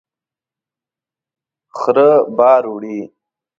خره بار وړي